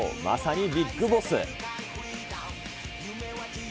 まさにビッグボス。